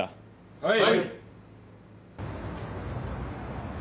はい！